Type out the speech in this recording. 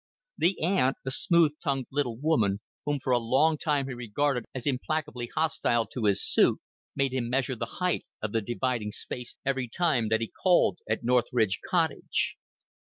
The aunt, a smooth tongued little woman whom for a long time he regarded as implacably hostile to his suit, made him measure the height of the dividing space every time that he called at North Ride Cottage.